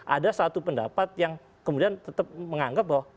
ada satu pendapat yang kemudian tetap menganggap bahwa